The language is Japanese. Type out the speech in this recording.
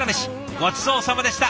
ごちそうさまでした。